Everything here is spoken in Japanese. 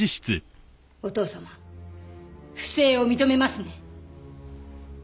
お父さま不正を認めますね？